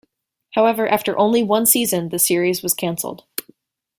However, after only one season, the series was cancelled.